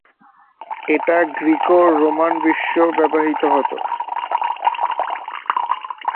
এটা গ্রীকো-রোমান বিশ্বে ব্যবহৃত হতো।